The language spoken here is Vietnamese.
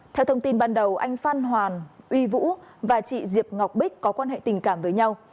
theo thông tin ban đầu anh phan hoàn uy vũ và chị diệp ngọc bích có quan hệ tình cảm với nhau